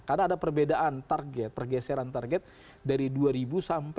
karena ada perbedaan target pergeseran target dari dua ribu sampai dua ribu sepuluh